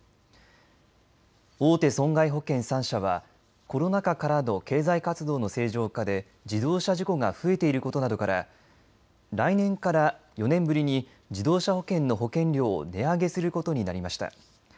大手損害保険３社はコロナ禍からの経済活動の正常化で自動車事故が増えていることなどから来年から４年ぶりに自動車保険の保険料を値上げすることになりました。